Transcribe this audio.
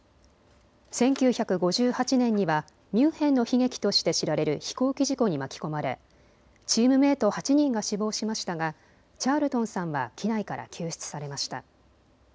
１９５８年にはミュンヘンの悲劇として知られる飛行機事故に巻き込まれチームメート８人が死亡しましたがチャールトンさんは機内から救出されました。